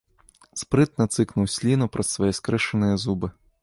Спрытна цыкнуў сліну праз свае скрышаныя зубы.